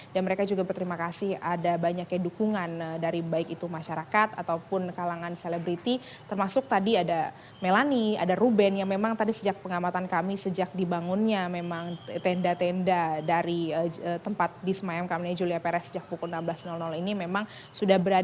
dan mereka juga berterima kasih ada banyaknya dukungan dari baik itu masyarakat ataupun kalangan selebriti termasuk tadi ada melani ada ruben yang memang tadi sejak pengamatan kami sejak dibangunnya memang tenda tenda dari tempat di semayam kamarnya julia perez sejak pukul enam belas ini memang sudah berhasil